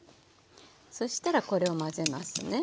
そしたらこれを混ぜますね。